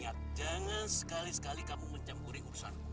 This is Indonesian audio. hei kenapa diam kenapa diam